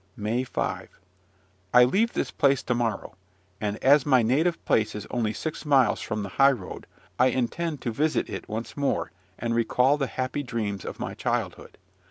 MAY 5. I leave this place to morrow; and, as my native place is only six miles from the high road, I intend to visit it once more, and recall the happy dreams of my childhood.